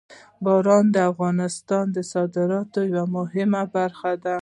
باران د افغانستان د صادراتو یوه مهمه برخه ده.